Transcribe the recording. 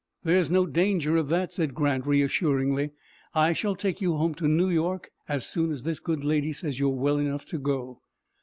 "There is no danger of that," said Grant, reassuringly. "I shall take you home to New York as soon as this good lady says you are well enough to go."